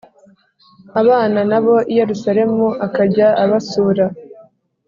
Abana na bo i Yerusalemu akajya abasura